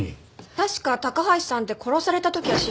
確か高橋さんって殺された時は私服でしたよね。